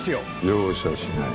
容赦しない。